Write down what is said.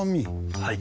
はい。